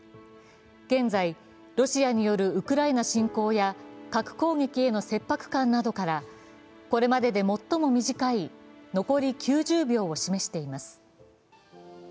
現在、ロシアによるウクライナ侵攻や核攻撃への切迫感などから、これまでで最も短い、残り９０秒を示しています。